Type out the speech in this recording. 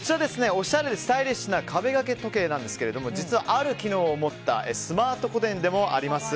おしゃれでスタイリッシュな壁掛け時計ですが実はある機能を持ったスマート個電でもあります。